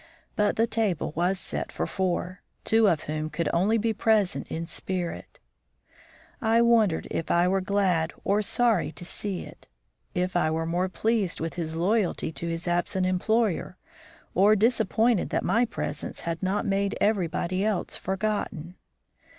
But the table was set for four, two of whom could only be present in spirit. I wondered if I were glad or sorry to see it if I were more pleased with his loyalty to his absent employer, or disappointed that my presence had not made everybody else forgotten.